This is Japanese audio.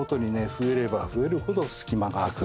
増えれば増えるほど隙間が空く？